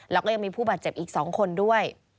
แล้วก็ยังมีผู้บาดเจ็บอีก๒คนด้วย